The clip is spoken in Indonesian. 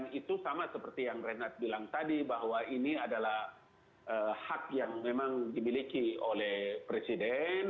nah itu sama seperti yang renat bilang tadi bahwa ini adalah hak yang memang dimiliki oleh presiden